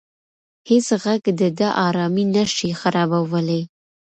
هیڅ غږ د ده ارامي نه شي خرابولی.